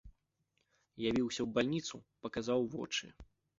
Явіўся ў бальніцу, паказаў вочы.